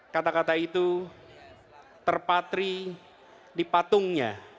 kata kata itu terpatri di patungnya